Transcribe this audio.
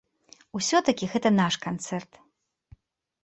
Усё-такі гэта наш канцэрт.